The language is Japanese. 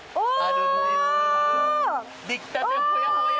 できたてほやほや。